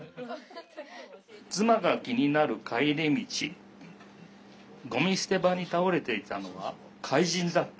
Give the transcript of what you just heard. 「妻が気になる帰り道ゴミ捨て場に倒れていたのは怪人だった」。